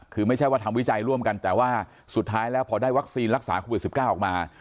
คือไม่ใช่ว่าทำวิจัยร่วมกันแต่ว่าสุดท้ายแล้วพอได้วัคซีนรักษาโควิด๑๙ออกมา